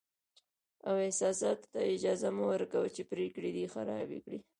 او احساساتو ته اجازه مه ورکوه چې پرېکړې دې خرابې کړي.